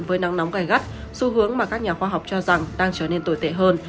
với nắng nóng gai gắt xu hướng mà các nhà khoa học cho rằng đang trở nên tồi tệ hơn